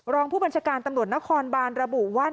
รองผู้บัญชาการตำรวจนครบานระบุว่า